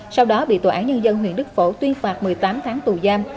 sau đó bị tòa án nhân dân huyện đức phổ tuyên phạt một mươi tám tháng tù giam